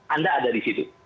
anda ada di situ